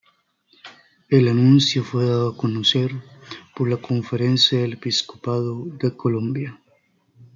El anuncio fue dado a conocer por la Conferencia del Episcopado de Colombia.